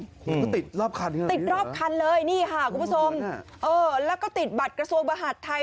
ก็ติดรอบคันอย่างนี้เหรอคุณผู้ชมแล้วก็ติดบัตรกระทรวงบาหัสไทย